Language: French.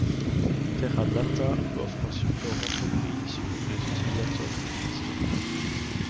Teradata offre un support entreprise pour les utilisateurs de Presto.